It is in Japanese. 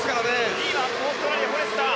２位はオーストラリアフォレスター。